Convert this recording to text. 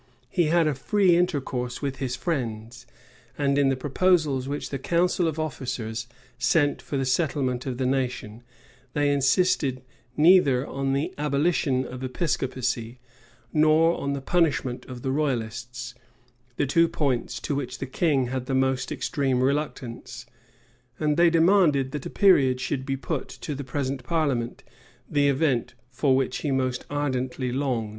[*] He had a free intercourse with his friends. And, in the proposals which the council of officers sent for the settlement of the nation, they insisted neither on the abolition of Episcopacy, nor on the punishment of the royalists; the two points to which the king had the most extreme reluctance: and they demanded, that a period should be put to the present parliament, the event for which he most ardently longed.